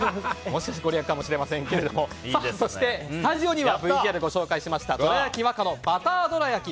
もしかしてご利益かもしれませんがそして、スタジオにはＶＴＲでご紹介しましたどら焼き和果のバターどら焼き